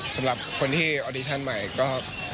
สำหรับคนที่ออดิชั่นใหม่ก็